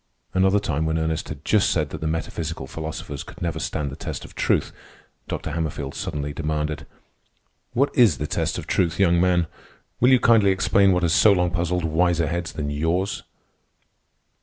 Another time, when Ernest had just said that the metaphysical philosophers could never stand the test of truth, Dr. Hammerfield suddenly demanded: "What is the test of truth, young man? Will you kindly explain what has so long puzzled wiser heads than yours?"